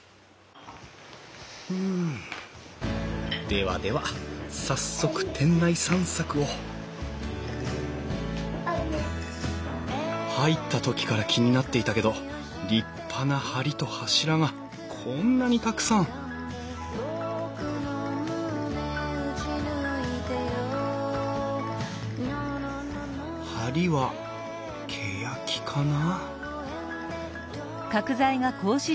ではでは早速店内散策を入った時から気になっていたけど立派な梁と柱がこんなにたくさん梁はけやきかな？